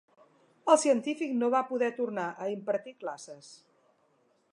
El científic no va poder tornar a impartir classes.